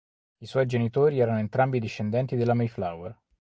I suoi genitori erano entrambi discendenti della Mayflower.